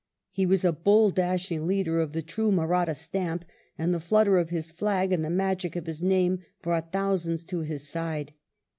He wa« a bold dashing leader of the true Mahratta stamp, and the flutter of his flag and the magic of his name broa^t thousands to his side.